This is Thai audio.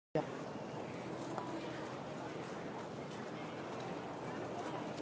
สวัสดีครับ